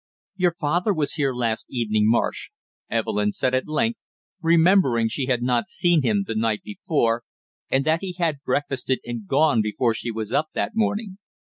"Your father was here last evening, Marsh," Evelyn said at length, remembering she had not seen him the night before, and that he had breakfasted and gone before she was up that morning.